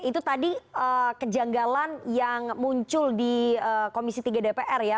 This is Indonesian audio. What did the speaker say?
jadi kejanggalan yang muncul di komisi tiga dpr ya